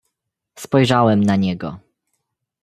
"Spojrzałem na niego."